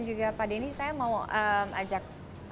juga pak denny saya mau ajak